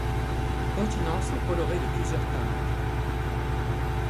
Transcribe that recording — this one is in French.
Les continents sont colorés de plusieurs teintes.